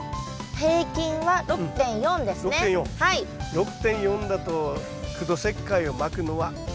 ６．４だと苦土石灰をまくのはなし。